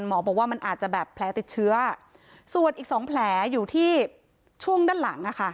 หมอบอกว่ามันอาจจะแบบแผลติดเชื้อส่วนอีกสองแผลอยู่ที่ช่วงด้านหลังอ่ะค่ะ